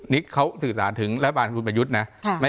นี่เขาสื่อสารถึงรัฐบาลคุณประยุทธ์นะ